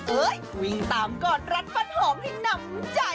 เอ้ยวิ่งตามก่อนรัดฟัดหอมให้นำใจ